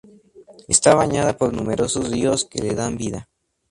Está bañada por numerosos ríos que le dan vida.